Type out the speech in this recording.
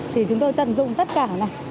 thì chúng tôi tận dụng tất cả này